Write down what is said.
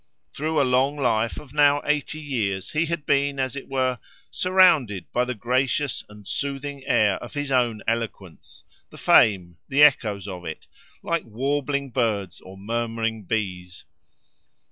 Through a long life of now eighty years, he had been, as it were, surrounded by the gracious and soothing air of his own eloquence—the fame, the echoes, of it—like warbling birds, or murmuring bees.